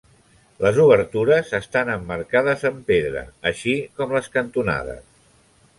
Les obertures estan emmarcades amb pedra, així com les cantonades.